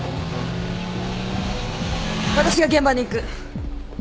私が現場に行く。